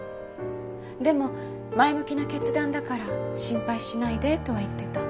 でも前向きな決断だから心配しないでとは言ってた。